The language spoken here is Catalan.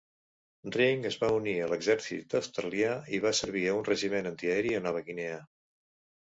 Ring es va unir a l'exèrcit australià i va servir a un regiment antiaeri a Nova Guinea.